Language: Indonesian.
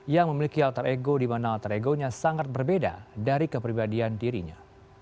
yang memiliki alter ego di mana alter egonya sangat berbeda dari kepribadian dirinya